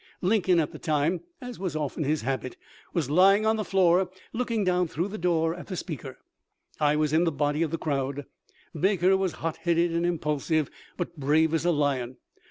Lincoln at the time, as was often his habit, was lying on the floor looking down through the door at the speaker. I was in the body of the crowd. Baker was hot headed and impulsive, but brave as a lion.